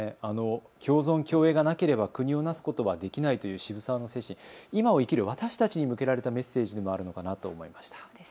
共存共栄がなければ国をなすことができないという渋沢の精神、今を生きる私たちに向けられたメッセージでもあるのかなと思いました。